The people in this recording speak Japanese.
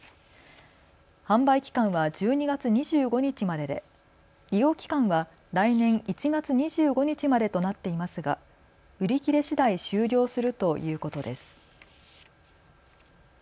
販売期間は１２月２５日までで利用期間は来年１月２５日までとなっていますが売り切れしだい終了するということです。